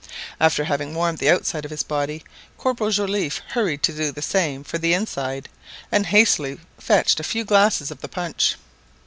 After having warmed the outside of his body, Corporal Joliffe hurried to do the same for the inside, and hastily fetched a few glasses of the punch.